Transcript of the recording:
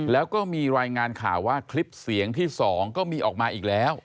แล้วก็มีรายงานข่าวว่าคลิปเสียงที่๒ก็มีออกมาอีกแล้ว